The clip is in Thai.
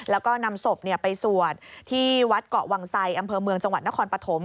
แล้วก็นำศพไปสวดที่วัดเกาะวังไซอำเภอเมืองจังหวัดนครปฐม